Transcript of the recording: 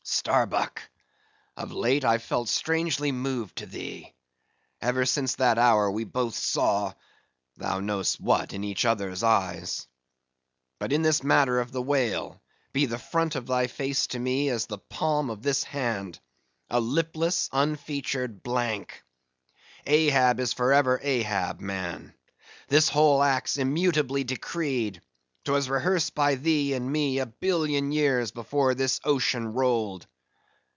"Starbuck, of late I've felt strangely moved to thee; ever since that hour we both saw—thou know'st what, in one another's eyes. But in this matter of the whale, be the front of thy face to me as the palm of this hand—a lipless, unfeatured blank. Ahab is for ever Ahab, man. This whole act's immutably decreed. 'Twas rehearsed by thee and me a billion years before this ocean rolled.